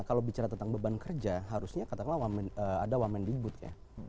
kalau bicara tentang beban kerja harusnya katakanlah ada wamen dibud ya